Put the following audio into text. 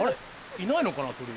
いないのかな鳥。